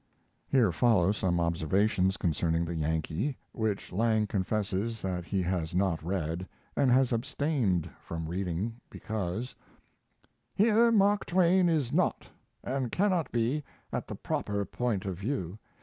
[Here follow some observations concerning the Yankee, which Lang confesses that he has not read, and has abstained from reading because ]. Here Mark Twain is not, and cannot be, at the proper point of view.